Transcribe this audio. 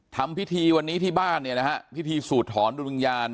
ทำพิธีวันนี้ที่บ้านเนี่ยนะฮะพิธีสูดถอนดวงวิญญาณ